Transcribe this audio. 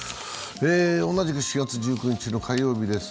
同じく４月１９日の火曜日です。